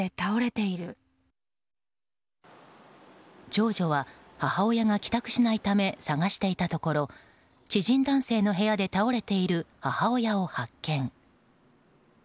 長女は母親が帰宅しないため捜していたところ知人男性の部屋で倒れている母親を発見。